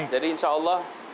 jadi insya allah